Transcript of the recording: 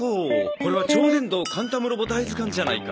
これは『超電導カンタムロボ大図鑑』じゃないか！